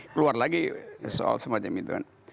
keluar lagi soal semacam itu kan